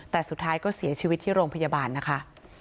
แต่สุดท้ายก็เสียชีวิตที่โรงพยาบาลนะคะ